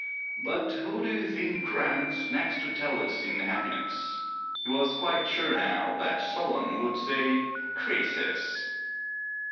" But who do you think ranks next to Tellus in happiness ?" He was quite sure now that Solon would say " Crcesus."